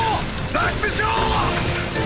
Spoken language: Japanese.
脱出しろ！